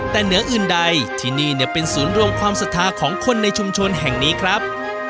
แต่เหนืออื่นใดที่นี่เป็นศูนย์รวมความศรัทธาของคนในชุมชนแห่งนี้ครับ